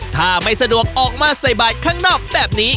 ถ้าไม่สะดวกออกมาใส่บาทข้างนอกแบบนี้